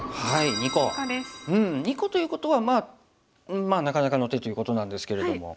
２個ということはまあなかなかの手ということなんですけれども。